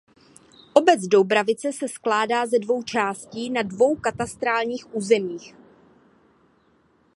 Obec Doubravice se skládá ze dvou částí na dvou katastrálních územích.